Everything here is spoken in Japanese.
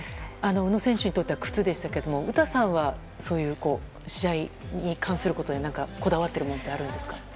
宇野選手にとっては靴でしたが詩さんはそういう試合に関することで何かこだわっているものってあるんですか？